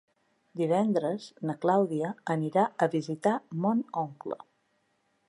Divendres na Clàudia anirà a visitar mon oncle.